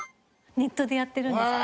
ネットでやってるんです